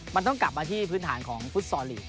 มันต้องกลับมาที่พื้นฐานของฟุตซอลลีก